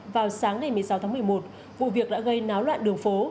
vào sáng ngày một mươi sáu tháng một mươi một vụ việc đã gây náo loạn đường phố